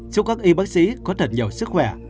giúp các y bác sĩ có thật nhiều sức khỏe